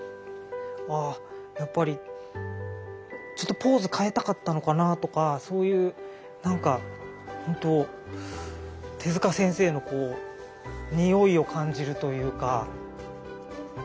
あやっぱりちょっとポーズ変えたかったのかなとかそういうなんか本当手先生のこう匂いを感じるというか。